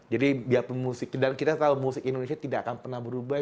jadi biar pemusik dan kita tahu musik indonesia tidak akan pernah berubah